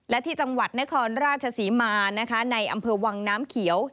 และที่จังหวัดนครราชศรีมานะคะในอำเภอวังน้ำเขียว